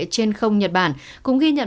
trên không nhật bản cũng ghi nhận